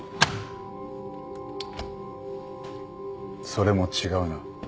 それも違うな。